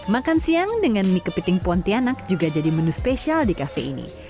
makan siang dengan mie kepiting pontianak juga jadi menu spesial di kafe ini